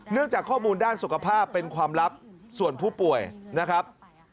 จากข้อมูลด้านสุขภาพเป็นความลับส่วนผู้ป่วยนะครับ